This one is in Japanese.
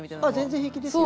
全然平気ですよ。